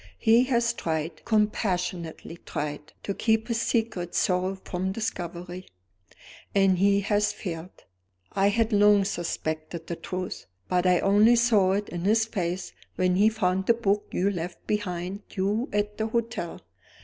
He has tried, compassionately tried, to keep his secret sorrow from discovery, and he has failed. I had long suspected the truth; but I only saw it in his face when he found the book you left behind you at the hotel.